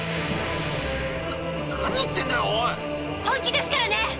本気ですからね！